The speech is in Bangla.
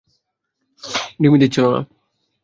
ডিমই দিচ্ছিল না।